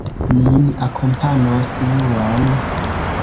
Nin akompanos Juan.